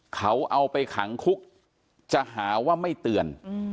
เขาเอาไปขังคุกจะหาว่าไม่เตือน